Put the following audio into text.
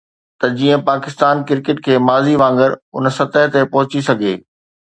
ته جيئن پاڪستان ڪرڪيٽ کي ماضي وانگر ان سطح تي پهچي سگهي